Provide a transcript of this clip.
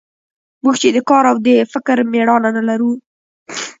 موږ چې د کار او د فکر مېړانه نه لرو.